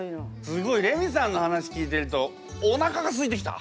すごいレミさんの話聞いてるとおなかがすいてきた！